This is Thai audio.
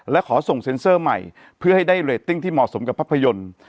และขอส่งเซ็นเซอร์ใหม่เพื่อให้ได้เรตติ้งที่เหมาะสมกับภาพยนตร์